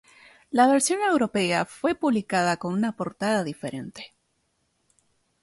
La versión europea fue publicada con una portada diferente.